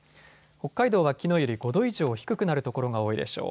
北海道はきのうより５度以上低くなる所が多いでしょう。